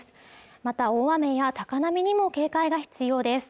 また大雨や高波にも警戒が必要です